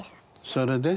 それで？